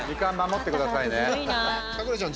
咲楽ちゃん